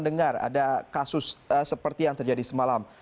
dengar ada kasus seperti yang terjadi semalam